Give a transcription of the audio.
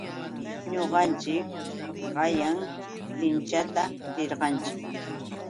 Ñuqanchik qanyan linchata rirqanchik.